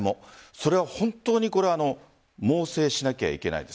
それは本当に猛省しなければいけません。